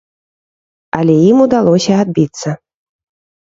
Але ім удалося адбіцца.